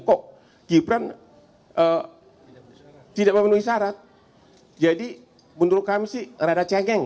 kok gibran tidak memenuhi syarat jadi menurut kami sih rada cegeng